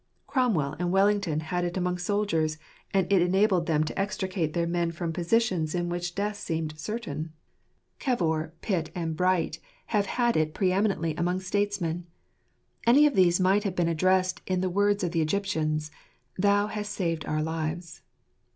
Cromwell and Wellington had it among soldiers, and it enabled them to extricate their men from positions in which death seemed certain. 126 Iftracplr's Jl&mittt&iratiott at (Kjjjijrt. Cavour, Pitt, and Bright have had it pre eminently among statesmen. Any of these might have been addressed in the words of the Egyptians :" Thou hast saved our lives."